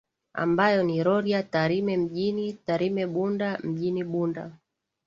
ambayo ni Rorya Tarime Mjini Tarime Bunda Mjini Bunda